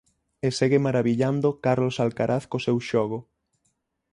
E segue marabillando Carlos Alcaraz co seu xogo.